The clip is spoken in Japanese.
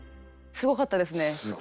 すごかったですね。